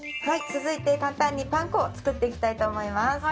はい続いて簡単にパン粉を作っていきたいと思います。